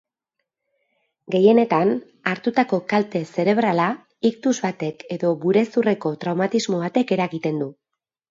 Gehienetan, hartutako kalte zerebrala iktus batek edo burezurreko traumatismo batek eragiten du.